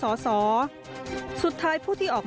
สุดท้ายผู้ที่ออกมาชี้ขาดสุดคำนวณนี้